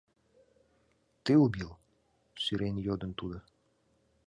— Ты убил? — сырен йодын тудо.